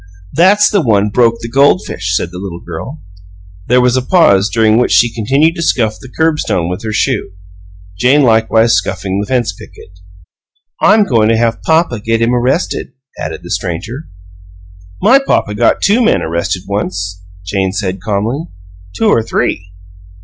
"That's the one broke the goldfish," said the little girl. There was a pause during which she continued to scuff the curbstone with her shoe, Jane likewise scuffing the fence picket. "I'm goin' to have papa get him arrested," added the stranger. "My papa got two men arrested once," Jane said, calmly. "Two or three."